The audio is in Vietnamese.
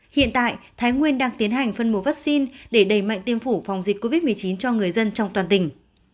hiện tại thái nguyên đang tiến hành phân mùa vaccine để đẩy mạnh tiêm chủng phòng dịch covid một mươi chín cho người dân trong toàn tỉnh